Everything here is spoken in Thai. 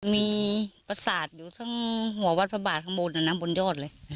มีประสาทอยู่ทั้งหัววัดพระบาทข้างบนบนยอดเลย